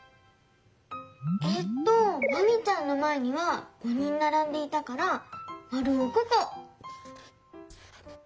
えっとマミちゃんのまえには５人ならんでいたからまるを５こ。